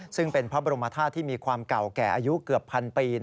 ซึ่งเป็นพระบรมธาตุที่มีความเก่าแก่อายุเกือบพันปี